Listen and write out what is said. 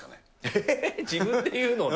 ええっ、自分で言うのか。